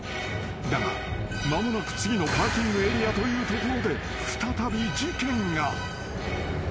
［だが間もなく次のパーキングエリアというところで］